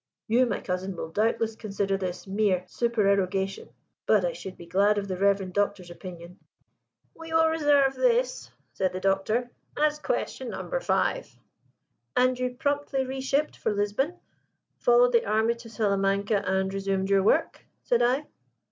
You, my cousin, will doubtless consider this mere supererogation, but I should be glad of the reverend Doctor's opinion." "We will reserve this," said the Doctor, "as Question Number Five." "And you promptly reshipped for Lisbon, followed the army to Salamanca, and resumed your work?" said I.